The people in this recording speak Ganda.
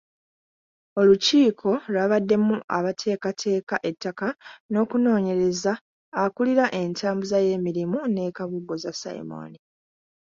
Olukiiko lwabaddemu abateekateeka ettaka n’okunoonyereza, akulira entambuza y’emirimu ne Kabogoza Simon.